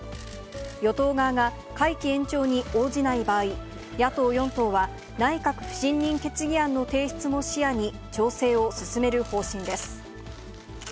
与党側が会期延長に応じない場合、野党４党は、内閣不信任決議案の提出も視野に調整を進める方針です。